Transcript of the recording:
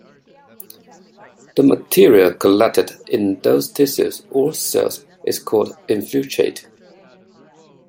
The material collected in those tissues or cells is called infiltrate.